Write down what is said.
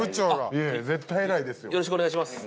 よろしくお願いします。